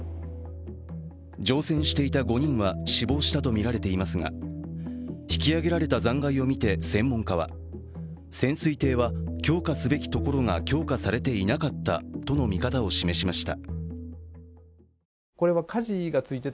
乗船していた５人が死亡したとみられていますが、引き上げられた残骸を見て専門家は潜水艇は強化すべきところが強化されていなかったとの見方を示しました。